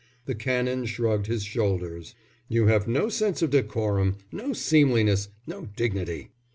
The Canon shrugged his shoulders. "You have no sense of decorum, no seemliness, no dignity."